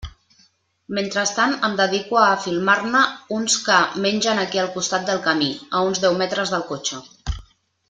Mentrestant em dedico a filmar-ne uns que mengen aquí al costat del camí, a uns deu metres del cotxe.